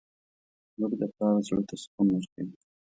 • لور د پلار زړه ته سکون ورکوي.